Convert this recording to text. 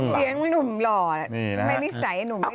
เสียงหนุ่มหลอไม่ใส่หนุ่มไว้